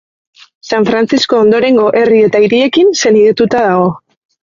San Frantzisko ondorengo herri eta hiriekin senidetuta dago.